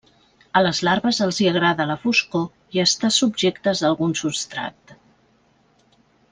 A les larves els hi agrada la foscor i estar subjectes a algun substrat.